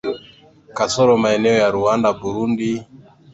kasoro maeneo ya Rwanda na Burundi yaliyokabidhiwa mikononi mwa Ubelgiji